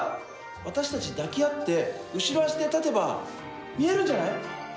私たち抱き合って後ろ足で立てば見えるんじゃない？え？